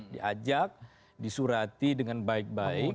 diajak disurati dengan baik baik